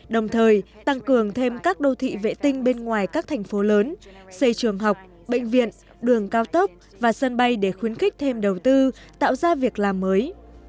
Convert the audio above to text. đồng thời tăng cường thêm các đô thị vệ tinh bên ngoài các thành phố lớn xây trường học bệnh viện đường cao tốc và sân bay để khuyến khích thêm đầu tư tạo ra việc làm mới